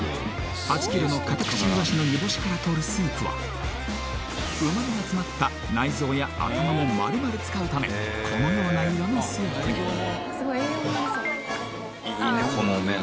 ８ｋｇのカタクチイワシの煮干しからとるスープは旨みが詰まった内臓や頭も丸々使うためこのような色のスープにいいね